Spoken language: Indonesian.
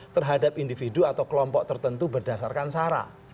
terhadap individu atau kelompok tertentu berdasarkan sara